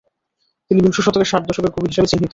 তিনি বিংশ শতকের "ষাট দশকের কবি" হিসাবে চিহ্নিত।